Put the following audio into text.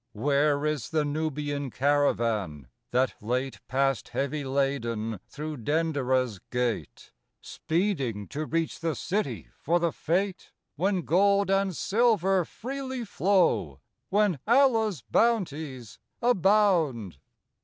Where is the Nubian caravan that late Passed heavy laden through Denderah's gate, Speeding to reach the city for the fete, When gold and silver freely flow, when Allah's bounties abound